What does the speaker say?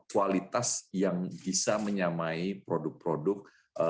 dan mempunyai kualitas yang bisa menyamai produk produk cadang indonesia